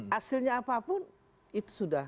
hasilnya apapun itu sudah